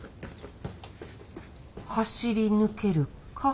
走り抜けるか。